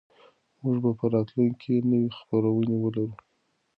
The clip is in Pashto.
موږ به په راتلونکي کې نوې خپرونې ولرو.